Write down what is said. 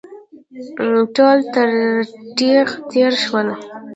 ټول تر تېغ تېر شول.